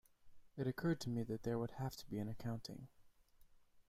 It occurred to me that there would have to be an accounting.